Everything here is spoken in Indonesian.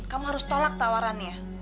kamu harus tolak tawarannya